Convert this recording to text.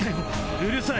うるさい！